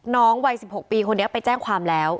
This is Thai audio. น้องวัยสิบหกปีคนนี้ก็ไปแจ้งความแล้ว